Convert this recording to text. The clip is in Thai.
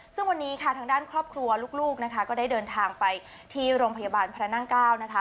ซึ่งวันนี้ทางด้านครอบครัวลูกได้เดินทางไปที่โรงพยาบาลพระนั่งเก้า